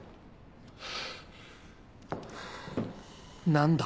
何だ？